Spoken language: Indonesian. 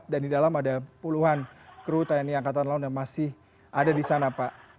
dan di dalam ada puluhan kru tni angkatan laut yang masih ada di sana pak